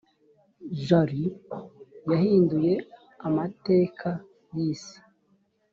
jalut yahinduye amateka y’isi